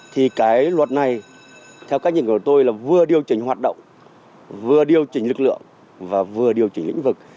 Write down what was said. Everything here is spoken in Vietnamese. thì cái luật này theo cách nhìn của tôi là vừa điều chỉnh hoạt động vừa điều chỉnh lực lượng và vừa điều chỉnh lĩnh vực